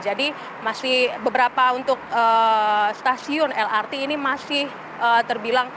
jadi masih beberapa untuk stasiun lrt ini masih terbilang cukup